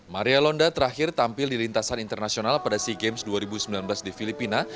maria londa terakhir tampil di lintasan internasional pada sea games dua ribu sembilan belas di filipina